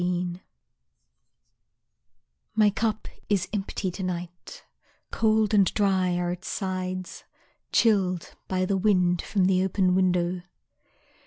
Absence My cup is empty to night, Cold and dry are its sides, Chilled by the wind from the open window.